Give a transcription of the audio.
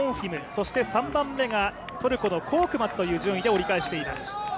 そして３番目がトルコのコークマズという順位で折り返しています。